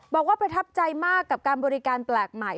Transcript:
บอกว่าประทับใจมากกับการบริการแปลกใหม่